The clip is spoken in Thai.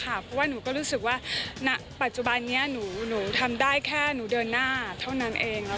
เพราะว่าหนูก็รู้สึกว่าณปัจจุบันนี้หนูทำได้แค่หนูเดินหน้าเท่านั้นเอง